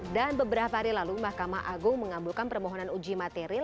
dan beberapa hari lalu mahkamah agung mengambilkan permohonan uji materi